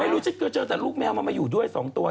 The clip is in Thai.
ไม่รู้จริงเกิดเจอแต่ลูกแมวมาอยู่ด้วย๒ตัว